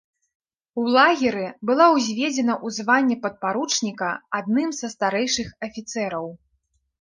У лагеры была ўзведзена ў званне падпаручніка адным са старэйшых афіцэраў.